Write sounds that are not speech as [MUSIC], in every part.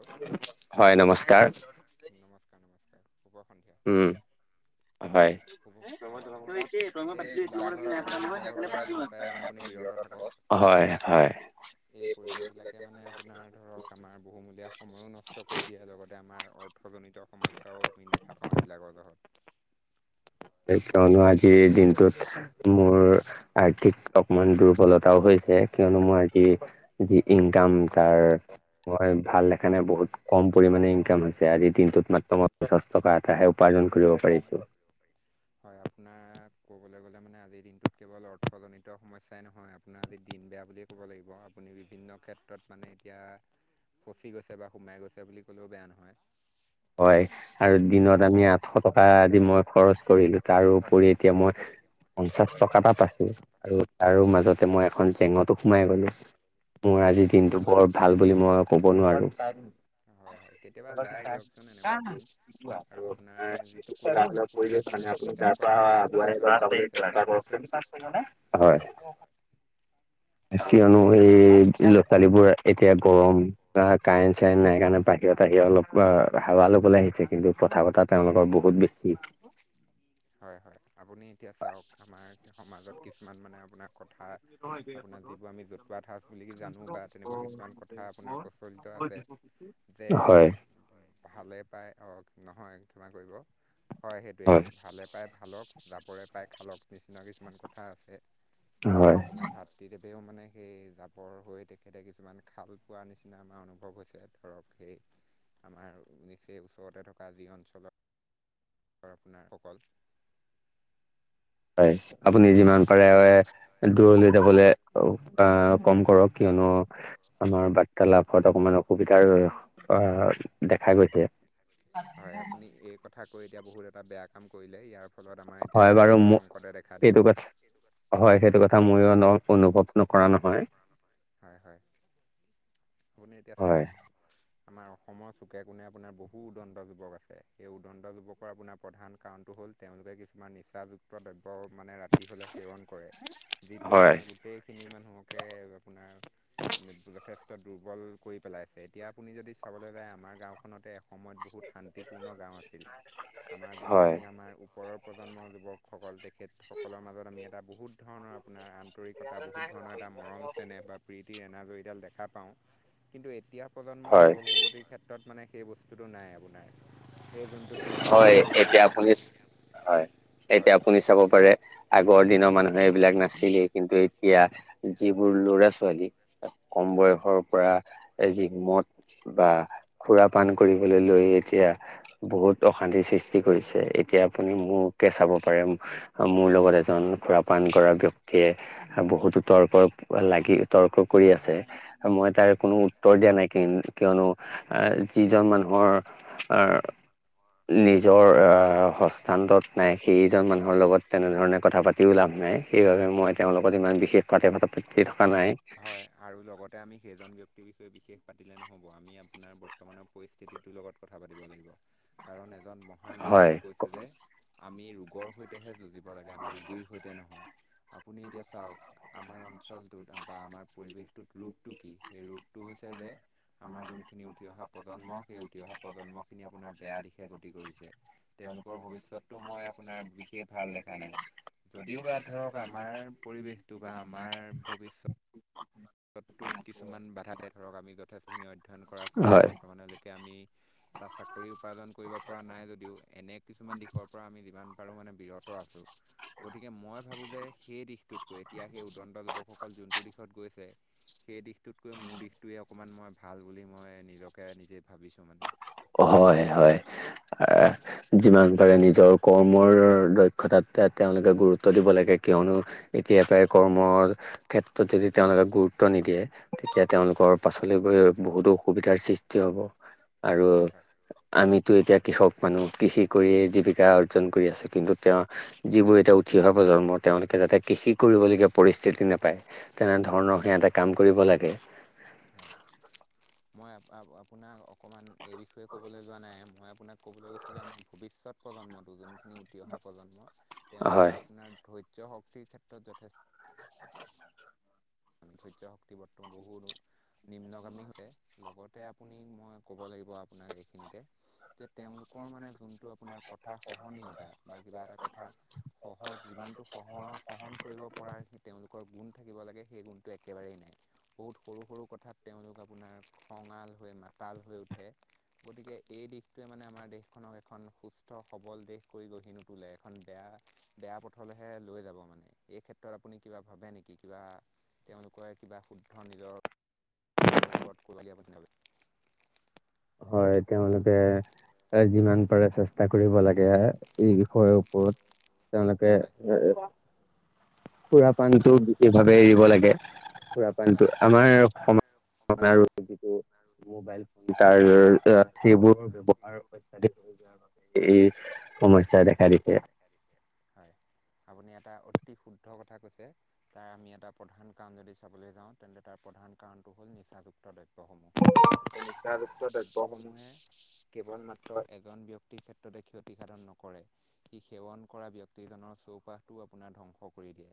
[UNINTELLIGIBLE] হয়, নমস্কাৰ। [UNINTELLIGIBLE] শুভ সন্ধিয়া। উম হয়। [UNINTELLIGIBLE] হয় হয়। এই পৰিবেশ বিলাকে মানে, আপোনাৰ ধৰক আমাৰ বহুমূলীয়া সময়ো নষ্ট কৰি দিয়ে, লগতে আমাৰ অৰ্থজনিত সমস্যাও আমি দেখা পাওঁ এইবিলাকৰ জহত। সেই কয়নো আজিৰ এই দিনটোত মোৰ আৰ্থিক অকমান দুৰ্বলতাও হৈছে, কিয়নো মই আজি যি ইনকাম তাৰ মই ভাল দেখা নাই বহুত কম পৰিমমানে ইনকাম হৈছে, আজিৰ দিনটোত মাত্ৰ মই পঞ্চাশ টকা এটাহে উপাৰ্জন কৰিব পাৰিছো। হয়, আপোনাৰ ক'বলৈ গ'লে মানে আজিৰ দিনটোত কেৱল অৰ্থজনিত সমস্যাই নহয় আপোনাৰ আজি দিন বেয়া বুলিয়ে ক'ব লাগিব, আপুনি বিভিন্ন ক্ষেত্ৰত মানে এতিয়া ফচি গৈছে, বা সোমাই গৈছে বুলি ক'লেও বেয়া নহয়। হয় আৰু দিনত আমি আঠশ টকা আজি মই খৰচ কৰিলো, তাৰোপৰি এতিয়া মই পঞ্চাশ টকা এটা পাইছো আৰু আৰু মাজতে মই এখন জেঙতো সোমাই গ'লো মোৰ আজিৰ দিনটো বৰ ভাল বুলি মই ক'ব নোৱাৰো। হয় হয় কেতিয়াবা যায় দিয়ক। [UNINTELLIGIBLE] [UNINTELLIGIBLE] হয়। কিয়নো এই ছোৱালীবোৰে এতিয়া গৰম বা কাৰেণ্ট চাৰেণ্ট নাই কাৰণে, বাহিৰত আহি অলপ হাৱা ল'বলৈ আহিছে। কিন্তু কথা বতৰা তেওঁলোকৰ বহুত বেছি। হয় হয় আপুনি এতিয়া চাওক, আমাৰ সমাজত কিছুমান মানে আপোনাৰ কথা আপোনাৰ যিবোৰ আমি জতুৱা ঠাঁচ বুলি জানো বা তেনেকুৱা কিছুমান কথা আপোনাৰ প্ৰচলিত আছে। যে ভালে পায়, অ নহয় ক্ষমা কৰিব, হয় সেইটোৱেই। ভালে পাই ভালক, জাবৰে পাই খালক নিচিনা কিছুমান কথা আছে। এতিয়া আপোনাৰ ভাতৃদেৱেও মানে সেই জাবৰ হৈ তেখেতে কিছুমান খাল পোৱা নিচিনা আমাৰ অনুভৱ হৈছে, ধৰক সেই আমাৰ নিচেই ওচৰতে থকা যি অঞ্চলত আৰু আপোনাৰ অকল হয় আপুনি যিমান পাৰে দূৰলৈ যাবলৈ আহ কম কৰক কিয়নো আমাৰ বাৰ্তালাভত অকমান অসুবিধাৰ অ দেখা গৈছে। হয় আপুনি এই কথা কৈ এতিয়া বহুত এটা বেয়া কাম কৰিলে, ইয়াৰ ফলত আমাৰ এতিয়া আৰ্থিক সংকটে দেখা দিব। হয় সেইটো কথা ময়ো ন অনুভৱ নকৰা নহয়। হয় হয়, আপুনি এতিয়া চাওক আমাৰ অসমৰ চুকে কোণে আপোনাৰ বহু উদণ্ড যুৱক আছে, সেই উদণ্ড যুৱকৰ আপোনাৰ প্ৰধান কাৰণটো হ'ল তেওঁলোকে কিছুমান নিচাযুক্ত দ্ৰব্য মানে ৰা হ'লে সেৱন কৰে, যিটোৱে আমাৰ গোটেইখিনি মানুহকেই আপোনাৰ [UNINTELLIGIBLE] দুৰ্বল কৰি পেলাইছে, এতিয়া আপুনি যদি চাবলৈ যায়, আমাৰ গাঁওখনতেই এসময়ত বহুত শান্তিপূৰ্ণ গাঁও আছিল। আমাৰ যোনখিনি আমাৰ ওপৰৰ প্ৰজন্ম যুৱকসকল তেখেতসকলৰ মাজত আমি এটা বহুত ধৰণৰ আপোনাৰ আন্তৰিকতা বহুত ধৰণৰ এটা মৰম চেনেহ বা প্ৰীতিৰ এনাজৰীডাল দেখা পাওঁ। কিন্তু এতিয়া প্ৰজন্মৰ যুৱক-যুৱতীৰ ক্ষেত্ৰত মানে সেই বস্তুটো নাই আপোনাৰ। সেই যোনটো প্ৰিতি এনাজৰি এনে হয়, এতিয়া আপুনি চাব পাৰে আগৰ দিনৰ মানুহে এইবিলাক নাছিলেই কিন্তু এই এতিয়া যিবোৰ ল'ৰা-ছোৱালী কম বয়সৰ পৰা যি মদ বা খুৰা পান কৰিবলৈ লৈ এতিয়া বহুত অশান্তি সৃষ্টি কৰিছে, এতিয়া আপুনি মোকোকে চাব পাৰে মোৰ লগত এজন খুৰা পান কৰা ব্যক্তিয়ে বহুতো তৰ্ক লাগি, তৰ্ক কৰি আছে। মই তাৰে কোনো উত্তৰ দিয়া নাই কিন-কিয়নো যিজন মানুহৰ নিজৰ হস্তান্তৰত নাই সেইজন মানুহৰ লগত তেনেধৰণে কথা পাতিও লাভ নাই। সেইবাবে মই তেওঁ লহত ইমান বিশেষ [UNINTELLIGIBLE] থকা নাই। আৰু লগতে আমি সেইজন ব্যক্তিৰ বিষয়ে বিশেষ পাতিলে নহ'ব, আমি আপোনাৰ বৰ্তমানৰ পৰি স্থিতিটো লগত কথা পাতি লাগিব, কাৰণ এজন ম মহান ব্যক্তিয়ে কৈছে যে, আমি ৰোগৰ সৈতেহে যুঁজিব লাগে, আমি ৰোগীৰ সৈতে নহয়। আপুনি এতিয়া চাওক আমাৰ অঞ্চলটোত বা আমাৰ পৰিৱেশটোত ৰোগটো কি? সেই ৰোগটো হৈছে যে আমাৰ যোনখিনি উঠি অহা প্ৰজন্ম, সেই উঠি অহা প্ৰজন্মখিনি আপোনাৰ বেয়া দিশে গতি কৰিছে। তেওঁলোকৰ ভৱিষ্যতটো মই আপোনাৰ বিশেষ ভাল দেখা নাই। যদিও বা ধৰক আমাৰ পৰিৱেশটো বা আমাৰ ভৱিষ্যত [UNINTELLIGIBLE] স্বত্বত কিছুমান বাধাতে ধৰক, আমি যথেষ্টখিনি অধ্যয়ন কৰাাৰ স্বত্ত্বেও বৰ্তমানলৈকে আমি টা চাকৰি উপাৰ্জন কৰিব পৰা নাই যদিও এনে কিছুমান দিশৰ পৰা আমি যিমান পাৰো মানে বিৰত আছো, গতিকে মই ভাবোঁ যে সেই দিশ টোতকৈ, এতিয়া সেই উদণ্ড যুৱক সকল যোনটো দিশত গৈছে সেই দিশটোতকৈ মোৰ দিশটোৱে অকণমান মই ভাল বুলি মই নিজকে নিজে ভাবিছোঁ মানে। হয়, হয়, আহ যিমান পাৰে নিজৰ কৰ্মৰ দক্ষতাত তেওঁলোকে গুৰুত্ব দিব লাগে, কিয়নো এতিয়া পৰাই কৰ্মৰ ক্ষেত্ৰত যদি তেওঁলোকে যদি গুৰুত্ব নিদিয়ে তেতিয়া তেওঁলোকৰ পাচলৈ গৈ বহুতো অসুবিধাৰ সৃষ্টি হব। আৰু আমিতো এতিয়া কৃষক মানুহ কৃষি কৰিয়েই জীৱিকা অৰ্জন কৰি আছো, কিন্তু তেওঁ যিবোৰ এতিয়া উঠি অহা প্ৰজন্ম তেওঁলোকে যাতে কৃষি কৰিব লগীয়া পৰিস্থিতি নেপায় তেনেধৰণৰ সিহঁতে কাম কৰিব লাগে। মই আ-আপোনাক অকমান এই বিষয়ে ক'বলৈ যোৱা নাই, মই আপোনাক ক'বলৈ গৈছিলো যে আমাৰ ভৱিষ্যত প্ৰজন্মটো যোনখিনি উঠি অহা প্ৰজন্ম, তেওঁলোকৰ আপোনাৰ ধৈৰ্য শক্তিৰ ক্ষেত্ৰত যথেষ্ট ধৈৰ্য শক্তি বৰ্তমান বহু নিম্নগামী হৈছে, লগতে আপুনি মই ক'ব লাগিব আপোনাক এইখিনিতে যে তেওঁলোকৰ মানে যোনটো আপোনাৰ কথা সহনীয়তা, বা কিবা এটা কথা সহজ যিমানটো সহ-সহন কৰিব পৰাাৰ সি তেওঁলোকৰ গুণ থাকিব লাগে সেই গুণটো একেবাৰেই নাই, বহুত সৰু সৰু কথাত তেওঁলোক আপোনাৰ খঙাল হৈ, মাতাল হৈ উঠে। গতিকে এই দিশটোৱে মানে আমাৰ দেশখনক এখন সুস্থ সবল দেশ কৰি গঢ়ি নোতোলে, এখন বেয়া বেয়া পথলৈহে লৈ যাব মানে, এই ক্ষেত্ৰত আপুনি কিবা ভাবে নেকি? কিবা তেওঁলোকৰে কিবা শুদ্ধ নিজৰ ওপৰত ক'ব লগীয়া [UNINTELLIGIBLE] হয়, তেওঁলোকে যিমান পাৰে চেষ্টা কৰিব লাগে এই বিষয়ৰ ওপৰত। তেওঁলোকে [UNINTELLIGIBLE] সুৰাপানটো গোটেই বাবে এৰিব লাগে, সুৰাপানটো আমাৰ [UNINTELLIGIBLE] মোবাইল ফোন তাৰ সেইবোৰ ব্যৱহাৰ [UNINTELLIGIBLE] এই সমস্যাৰ দেখা দিছে। হয়, আপুনি এটা অতি শুদ্ধ কথা কৈছে। তাৰ আমি এটা প্ৰধান কাৰণ যদি চাবলৈ যাওঁ তেন্তে তাৰ প্ৰধান কাৰণটো হ'ল নিচাযুক্ত দ্ৰব্যসমূহ। এই নিচাযুক্ত দ্ৰব্যসমূহে কেৱল মাত্ৰ এজন ব্যক্তি ক্ষেত্ৰতে ক্ষতিসাধন নকৰে, সি সেৱন কৰা ব্যক্তিজনৰ চৌপাশতটো আপোনাৰ ধ্বংস কৰি দিয়ে।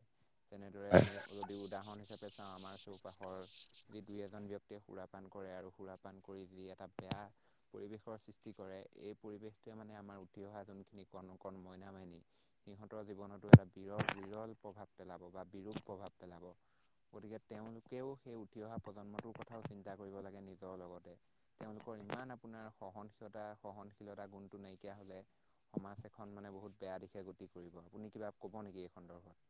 তেনেদৰে আমি আকৌ যদি উদাহৰণ হিচাপে চাওঁ আমাৰ চৌপাশৰ যি দুই এজন ব্যক্তিয়ে সুৰাপান কৰে আৰু সুৰাপান কৰি যি এটা বেয়া পৰিৱেশৰ সৃষ্টি কৰে, এই পৰিৱেশটোৱে মানে আমাৰ উঠি অহা যোনখিনি কণ কণ মইনা মাইনী সিহঁতৰ জীৱনতো এটা বিৰল-বিৰল প্ৰভাৱ পেলাব বা বিৰূপ প্ৰভাৱ পেলাব। গতিকে তেওঁলোকেও সেই উঠি অহা প্ৰজন্মটোৰ কথাও চিন্তা কৰিব লাগে নিজৰ লগতে। তেওঁলোকৰ ইমান আপোনাৰ সহনশীলতা সহনশীলতা গুণটো নাইকিয়া হলে সমাজ এখন মানে বহুত বেয়া দিশে গতি কৰিব। আপুনি কিবা ক'ব নেকি এই সন্দৰ্ভত?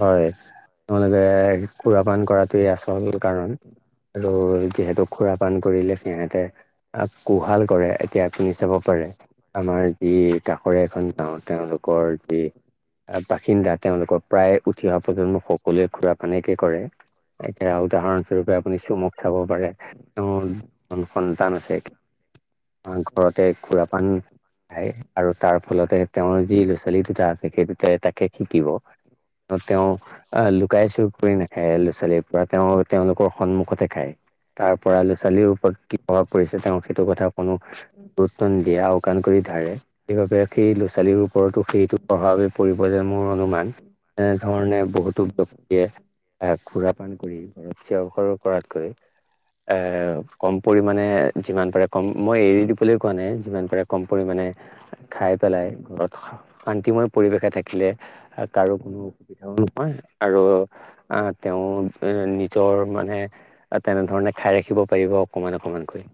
হয়, [UNINTELLIGIBLE] সুৰাপান কৰাটোৱে আচল কাৰণ আৰু যিহেতু সুৰা পান কৰিলে সিহঁতে কোহাল কৰে এতিয়া আপুনি চাব পাৰে। আমাৰ যি কাষৰে এখন গাওঁ, তেওঁলোকৰ যি বাসিন্দা, তেওঁলোকক প্ৰায় উঠি অহা প্ৰজন্ম সকলোৱে সুৰা পানকে কৰে। এতিয়া উদাহৰণ [UNINTELLIGIBLE] সন্তান আছে। আমাৰ ঘৰতে সুৰা পান সেই আৰু তাৰ ফলতে তেওঁৰ যি ল'ৰা ছোৱালী দুটা আছে সেই দুটাই তাকে শিকিব। তেওঁ আহ, লুকাই চুৰ কৰি নাখায় ল'ৰা ছোৱালীৰ পৰা, তেওঁ-তেওঁলোকৰ সন্মুখতে খায়। তাৰ পৰা ল'ৰা ছোৱালীৰ ওপৰত কি প্ৰভাৱ পৰিছে তেওঁ সেইটো কথা কোনো গুৰুত্ব নিদিয়ে, আওকণ কৰি থাকে। সেইবাবে সেই ল'ৰা ছোৱালীৰ ওপৰতো সেইটো প্ৰভাৱে পৰিব যেন মোৰ অনুমান। এনেধৰণে বহুতো ব্যক্তিয়ে এ সুৰাপান কৰি [UNINTELLIGIBLE] এ কম পৰিমাণে যিমান পাৰে কম, মই এৰি দিবলৈ কোৱা নাই, যিমান পাৰে কম পৰিমাণে খাই পেলাই ঘৰত শান্তিময় পৰিৱেশে থাকিলে, কাৰো কোনো অসুবিধাও নহয় আৰু আহ, তেওঁ নিজৰ মানে তেনেধৰণে খাই ৰাখিব পাৰিব অকমান অকমানকৈ।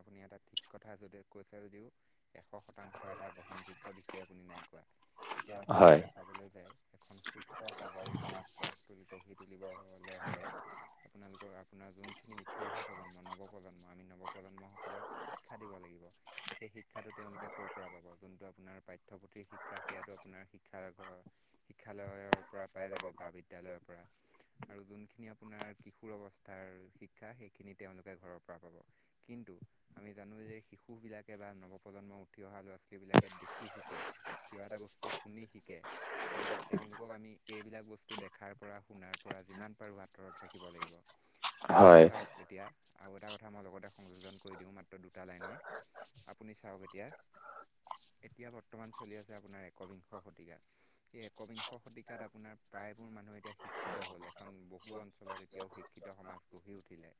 আপুনি এটা ঠিক কথা যদিও কৈছে যদিও এশ শতাংশ এটা গ্ৰহণযোগ্য বিষয়ে আপুনি নাই কোৱা। এতিয়া আপুনি যদি চাবলৈ যায় এখন সুস্থ সবল সমাজ গঢ়ি তুলিব ক'লে হ'লে, আপোনালোকৰ আপোনাৰ যোন খিনি উঠি অহা প্ৰজন্ম, নৱপ্ৰজন্ম আমি নৱপ্ৰজন্ম সকলক শিক্ষা দিব লাগিব, সেই শিক্ষাটো তেওঁলোকে ক'ৰ পৰা পাব? যোনটো আপোনাৰ পাঠ্যপুথিৰ শিক্ষা সেয়াটো আপোনাৰ শিক্ষা ঘৰ শিক্ষালয়ৰ পৰা পাই যাব বা বিদ্য়ালয়ৰ পৰা। আৰু যোন খিনি আপোনাৰ কিশোৰ অৱস্থাৰ শিক্ষা সেইখিনি তেওঁলোকে ঘৰৰ পৰা পাব। কিন্তু, আমি জানো যে শিশু বিলাকে বা নৱপ্ৰজন্ম উঠি অহা ল'ৰা-ছোৱালী বিলাকে দেখি শিকে। কিবা এটা বস্তু শুনি শিকে। গতিকে তেওঁলোকক আমি এইবিলাক বস্তু টো দেখাৰ পৰা শুনাৰ পৰা যিমান পাৰো আঁতৰত ৰাখিব লাগিব। আপুনি চাওক এতিয়া আৰু এটা কথা মই লগতে সংযোজন কৰি দিওঁ মাত্ৰ দুটা লাইনত। আপুনি চাওক এতিয়া ছিট ছিট। এতিয়া বৰ্তমান চলি আছে আপোনাৰ একবিংশ শতিকা উচু উ উ। এই একবিংশ শতিকাত আপোনাৰ প্ৰায়বোৰ মানুহ এতিয়া শিক্ষিত হ'ল এখন ই বহু অঞ্চলত এতিয়াও শিক্ষিত সমাজ গঢ়ি উঠিলে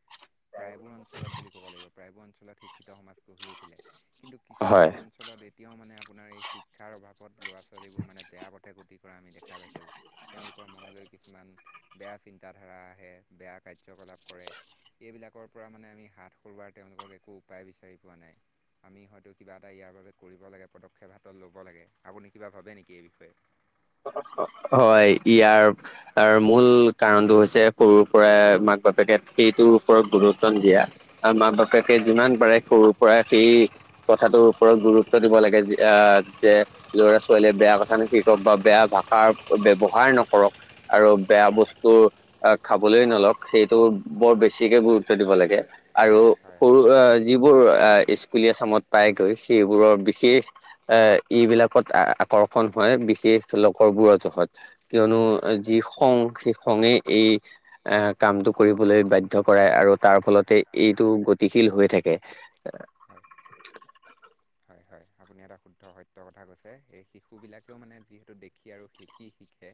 প্ৰায়বোৰ অঞ্চলত বুলি ক'ব লাগিব। প্ৰায়বোৰ অঞ্চলত শিক্ষিত সমাজ গঢ়ি উঠিলে। কিন্তু কিছু কিছু অঞ্চলত দে এতিয়াও মানে আপোনাৰ এই শিক্ষাৰ অভাৱত ল'ৰা-ছোৱালীবোৰ মানে বেয়া পথে গতি কৰা আমি দেখা পাইছোঁ। তেওঁলোকৰ মনলৈ কিছুমান বেয়া চিন্তাধাৰা আহে বেয়া কাৰ্যকলাপ কৰে। সেইবিলাকৰ পৰা মানে আমি হাত সৰোৱাৰ তেওঁলোকক একো উপায় বিচাৰি পোৱা নাই। আমি হয়তো কিবা এটা ইয়াৰ বাবে কৰিব লাগে পদক্ষেপ হাতত ল'ব লাগে আপুনি কিবা ভাবে নেকি এই বিষয়ে। হয় ইয়াৰ তাৰ মূল কাৰণটো হৈছে সৰুৰ পৰা মাক-বাপেকে সেইটোৰ ওপৰত গুৰুত্ব নিদিয়া। আৰু মা-বাপেকে যিমান পাৰে সৰুৰ পৰা সেই কথাটোৰ ওপৰত গুৰুত্ব দিব লাগে যে আ আ আ যে ল'ৰা-ছোৱালীয়ে বেয়া কথা কৈছে ক'ব বেয়া ভাগ খাৰাপ ব্যৱহাৰ নকৰক আৰু বেয়া বস্তু আ খাবলৈ নলওক সেইটো বৰ বেছিকে গুৰুত্ব দিব লাগে আৰু সৰু আ আ আ যিবোৰ স্কুলীয়া চামত পাইগৈ সেইবোৰৰ বিশেষ আ আ এ এ এইবিলাকত আ আকৰ্ষণ হয় বিশেষ ধৰি ল কৰবোৰৰ জোখত কিয়নো যি খং সেই খঙে এই আহ কামটো কৰিবলৈ বাধ্য কৰাই আৰু তাৰ ফলতে এইটো গতিশীল হৈ থাকে এহ্ আহ। হয় সি সি সি সি। হয় হয়, আপুনি এটা শুদ্ধ সত্য কথা কৈছে এই শিশুবিলাকেও মানে যিহেতু দেখি আৰু শিকি শিকে।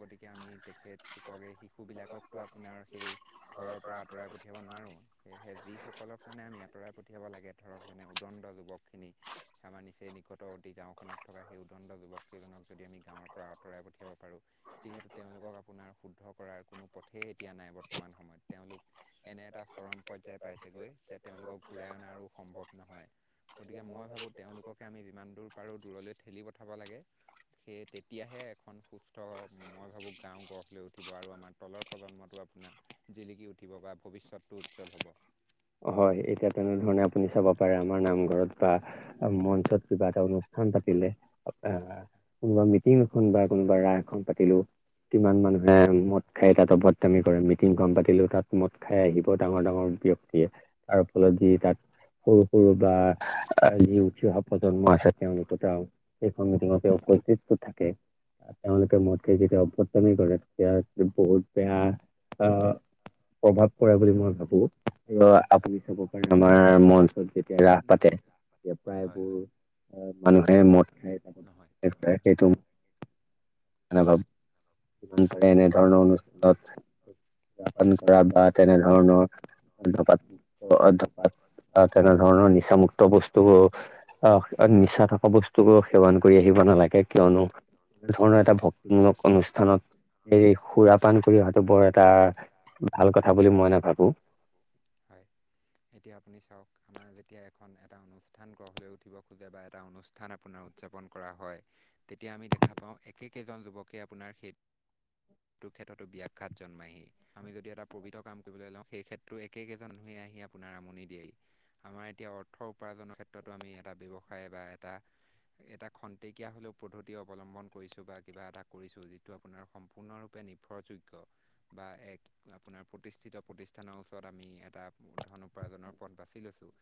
গতিকে আমি তেখেতলোককে শিশুবিলাকক তো আপোনাৰ সেই ঘৰৰ পৰা আঁতৰাই পঠিয়াব নোৱাৰোঁ। সেয়েহে যিসকলক মানে আমি আঁতৰাই পঠিয়াব লাগে ধৰক যেনে উদণ্ড যুৱক। এনেই আমাৰ নিচেই নিকটৱৰ্তী গাওঁখনত থকা সেই উদণ্ড যুৱক কেইজনক যদি আমি গাওঁ গাওঁৰ পৰা আঁতৰাই পঠিয়াব পাৰোঁ। যিহেতু তেওঁলোকক আপোনাৰ শুদ্ধ কৰাৰ কোনো পথেই এতিয়া নাই বৰ্তমান সময়ত তেওঁলোক। এনে এটা চৰম পৰ্যায় পাইছেগৈ যে তেওঁলোকক ঘূৰাই অনাৰো সম্ভৱ নহয়। গতিকে মই ভাবোঁ তেওঁলোককে আমি ই ই ইমান দূৰ পাৰোঁ দূৰলৈ ঠেলি পঠাব লাগে সেয়ে তেতিয়াহে এখন সুস্থ মই ভাবোঁ গাওঁ গঢ় লৈ উঠিব আৰু আমাৰ তলৰ প্ৰজন্মটো আপোনাৰ জিলিকি উঠিব বা ভৱিষ্যতটো উজ্জ্বল হ'ব। হয়, এতিয়া তেনেধৰণে আপুনি চাব পাৰে আমাৰ নামঘৰত বা আহ আহ এহ্ আ মঞ্চত কিবা এটা অনুষ্ঠান পাতিলে অহ আ আ আ। কোনোবা মিটিং এখন বা কোনোবা ৰায় এখন পাতিলো। কিমান মানুহে মদ খাই তাত অভদ্ৰামি কৰে মিটিংখন পাতিলেও তাত মদ খাই আহিব ডাঙৰ ডাঙৰ ব্যক তিয়ে তাৰ ফলত যি তাত সৰু সৰু বা আহ আহ ক ক ক যি উঠি অহা প্ৰজন্ম আছে তেওঁলোকত আৰু এইখন মিটিঙতে উপস্থিততো থাকে। তেওঁলোকে মদ খাই যেতিয়া অভ্যদামি কৰে তেতিয়া বহুত বেয়া আহ প্ৰভাৱ পৰে বুলি মই ভাবোঁ। আৰু আপুনি চাব পাৰে আমাৰ মঞ্চত যেতিয়া ৰাস পাতে তেতিয়া প্ৰায়বোৰ মানুহে মদ খাই [INAUDIBLE] সেইটো [UNINTELLIGIBLE] এনেধৰণৰ অনুষ্ঠানত [UNINTELLIGIBLE] কৰা বা তেনেধৰণৰ [UNINTELLIGIBLE] বা তেনেধৰণৰ নিচামুক্ত বস্তু [UNINTELLIGIBLE] নিচা থকা বস্তু সেৱন কৰি আহিব নালাগে কিয়নো এনে ধৰণৰ এটা ভক্তিমূলক অনুষ্ঠানত এই সুৰাপান কৰি অহাটো বৰ এটা ভাল কথা বুলি মই নাভাবোঁ। হয়, এতিয়া আপুনি চাওঁক আমাৰ যেতিয়া এখন এটা অনু অনুষ্ঠান গঢ় লৈ উঠিব খোজে বা এটা অনুষ্ঠান আপোনাৰ উদযাপন কৰা হয়। তেতিয়া আমি দেখা পাওঁ একে কেইজন যুৱকে আপোনাৰ সেই ক্ষেত্ৰতো ব্যাঘাত জন্মাইহি আমি যদি এটা পৱিত্ৰ কাম কৰিবলৈ লওঁ, সেই ক্ষেত্ৰতো একে কেইজন মানুহে আহি আপো আপোনাৰ আমনি দিয়েই আমাৰ এতিয়া অৰ্থ উপাৰ্জনৰ ক্ষেত্ৰতো আমি এটা ব্যৱসায় বা এটা এটা খন্তেকীয়া হ'লেও পদ্ধতি অৱলম্বন কৰিছোঁ বা কিবা এটা কৰিছোঁ যিটো আপোনাৰ সম পূৰ্ণৰূপে নিৰ্ভৰযোগ্য বা এক আপোনাৰ প্ৰতিষ্ঠিত প্ৰতিষ্ঠানৰ ওচৰত আমি এটা ধন উপাৰ্জনৰ পথ বাছি লৈছোঁ।